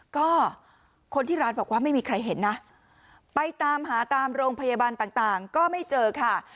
ก็คนที่ร้านบอกว่าไม่มีใครเห็นนะไปตามหาตามโรงพยาบาลต่างก็ไม่เจอค่ะ